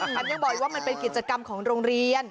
ฉันยังบอกอีกว่ามันเป็นกิจกรรมของโรงเรียน